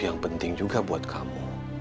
yang penting juga buat kamu